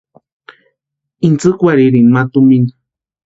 Intsïkwarhirini ma tumina.